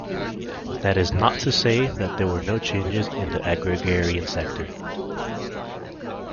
That is not to say that there were no changes in the agrarian sector.